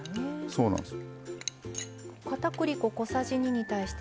そうなんです。